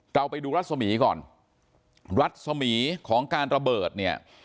เราไปดูรัศมีก่อนรัศมีร์ของการระเบิดเนี่ย